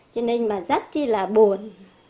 cho nên mà rất là buồn